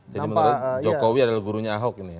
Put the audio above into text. jadi menurut anda jokowi adalah gurunya ahok ini